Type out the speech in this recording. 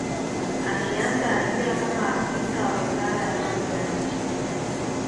Akianza ajira kama afisa wa wizara ya mambo ya nje